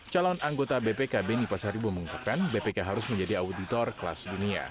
calon anggota bpk beni pasar ibu mengungkapkan bpk harus menjadi auditor kelas dunia